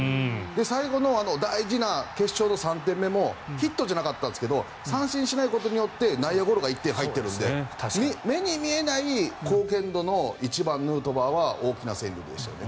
最後の大事な決勝の３点目もヒットじゃなかったんですけど三振しないことによって内野ゴロが１点入っているので目に見えない貢献度の１番、ヌートバーは大きな戦力でしたよね。